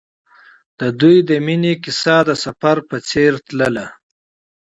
د دوی د مینې کیسه د سفر په څېر تلله.